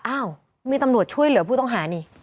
อ้าวมีตำรวจช่วยเหลือผู้ต้องหานี่